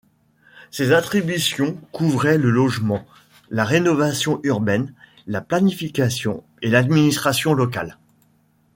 Ses attributions couvraient le logement, la rénovation urbaine, la planification et l’administration locale.